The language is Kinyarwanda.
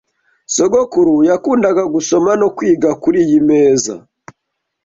Sogokuru yakundaga gusoma no kwiga kuriyi meza.